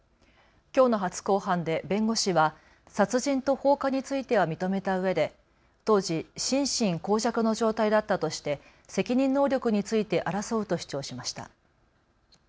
きょうの初公判で弁護士は殺人と放火については認めたうえで当時、心神耗弱の状態だったとして責任能力について争うと主張しました。